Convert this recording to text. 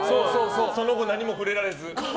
その後、何も触れられず。